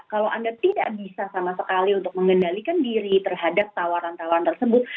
kalau anda tidak bisa sama sekali untuk mengendalikan diri terhadap tawaran tawaran tersebut